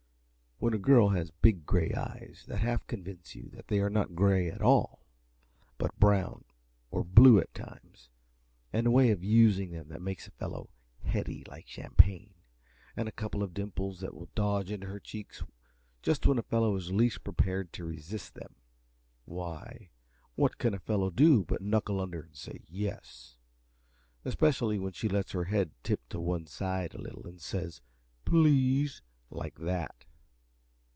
When a girl has big, gray eyes that half convince you they are not gray at all, but brown, or blue, at times, and a way of using them that makes a fellow heady, like champagne, and a couple of dimples that will dodge into her cheeks just when a fellow is least prepared to resist them why, what can a fellow do but knuckle under and say yes, especially when she lets her head tip to one side a little and says "please" like that?